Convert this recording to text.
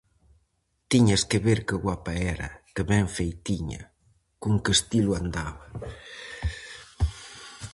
Tiñas que ver que guapa era, que ben feitiña, con que estilo andaba...!